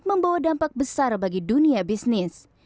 membawa dampak besar bagi dunia bisnis